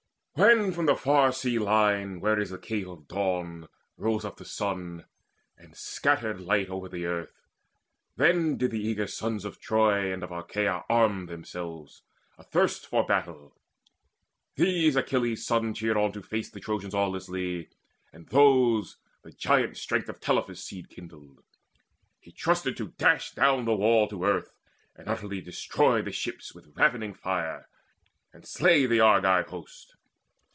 When from the far sea line, where is the cave Of Dawn, rose up the sun, and scattered light Over the earth, then did the eager sons Of Troy and of Achaea arm themselves Athirst for battle: these Achilles' son Cheered on to face the Trojans awelessly; And those the giant strength of Telephus' seed Kindled. He trusted to dash down the wall To earth, and utterly destroy the ships With ravening fire, and slay the Argive host.